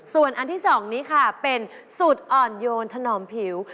ส่วนอันที่๒นี้ค่ะเป็นสูตรอ่อนโยนถนอมผิว